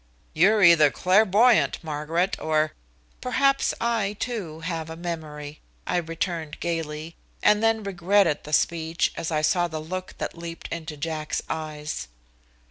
"You're either clairvoyant, Margaret or " "Perhaps I, too, have a memory," I returned gayly, and then regretted the speech as I saw the look that leaped into Jack's eyes.